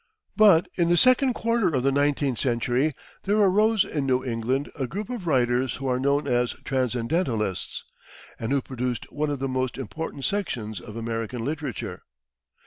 But in the second quarter of the nineteenth century there arose in New England a group of writers who are known as Transcendentalists, and who produced one of the most important sections of American literature.